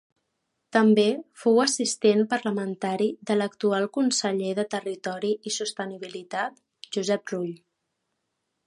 També fou assistent parlamentari de l'actual Conseller de territori i sostenibilitat, Josep Rull.